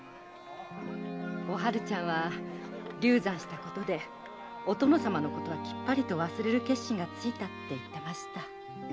おはるちゃんは流産したことでお殿様のことはきっぱりと忘れる決心がついたって言ってました。